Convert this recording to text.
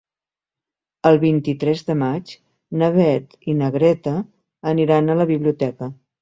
El vint-i-tres de maig na Beth i na Greta aniran a la biblioteca.